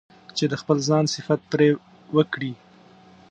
چې د خپل ځان صفت پرې وکړي.